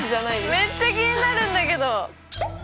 めっちゃ気になるんだけど。